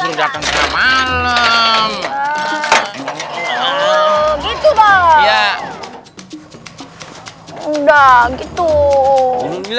jalan jalan kaget terlalu downwards